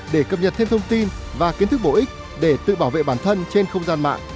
để cập nhật thêm thông tin và kiến thức bổ ích để tự bảo vệ bản thân trên không gian mạng